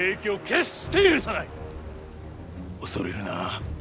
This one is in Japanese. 恐れるな。